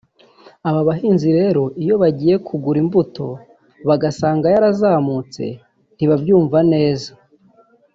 aba bahinzi rero iyo bagiye kugura imbuto bagasanga yarazamutse ntibabyumva neza